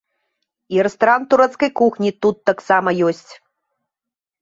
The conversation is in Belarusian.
І рэстаран турэцкай кухні тут таксама ёсць.